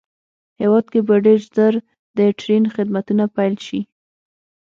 هېواد کې به ډېر زر د ټرېن خدمتونه پېل شي